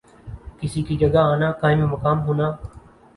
کسی کی جگہ آنا، قائم مقام ہونا